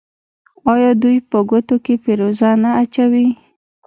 آیا دوی په ګوتو کې فیروزه نه اچوي؟